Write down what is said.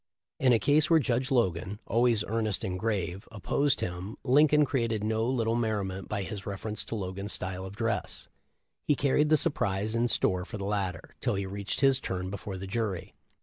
In a case where Judge Logan — always earnest and grave — opposed him, Lincoln created no little merriment by his reference to Logan's style of dress. He carried the surprise in store for the latter, till he reached his turn before the jury.